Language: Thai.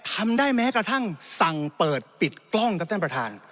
ทำได้แม้กระทั่งสั่งเปิดปิดกล้องครับท่านประธาน